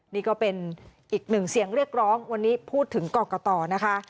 นี่ก็เป็นอีกหนึ่งเสียงเรียกร้องวันนี้พูดถึงกรกตนะคะ